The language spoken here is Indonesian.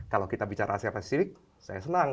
kalau kita bicara asia pasifik saya senang